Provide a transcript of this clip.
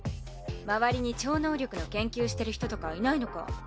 周りに超能力の研究してる人とかいないのか？